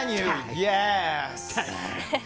イエス！